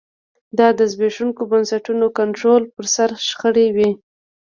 دا د زبېښونکو بنسټونو کنټرول پر سر شخړې وې